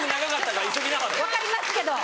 分かりますけど。